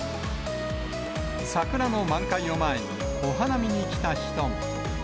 桜の満開を前に、お花見に来た人も。